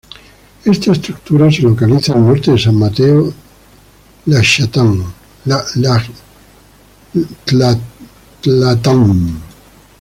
Esta estructura se localiza al norte de San Mateo Ixtatán.